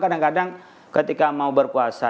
kadang kadang ketika mau berpuasa